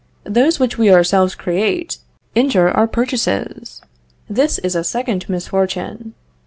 Those which we ourselves create, injure our purchases; this is a second misfortune.